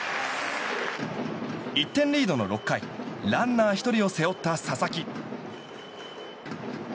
１点リードの６回ランナー１人を背負った佐々木。